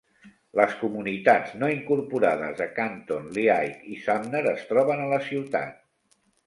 Les comunitats no incorporades de Canton, Lehigh i Sumner es troben a la ciutat.